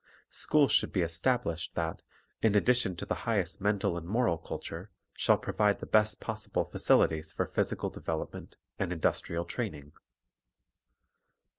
Schools should be established that, in addition to the highest mental and moral cul ture, shall provide the best possible facilities for phys ical development and industrial training.